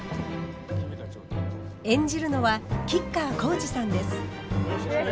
演じるのは吉川晃司さんです。